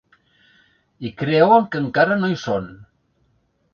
I creuen que encara no hi són.